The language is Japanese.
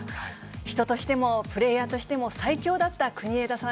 人としてもプレーヤーとしても最強だった国枝さん。